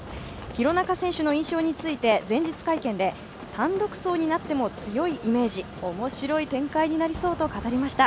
廣中選手の印象について前日会見で単独走になっても強いイメージ、面白い展開になりそうと語りました。